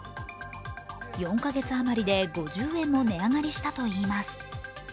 ４か月あまりで５０円も値上がりしたといいます。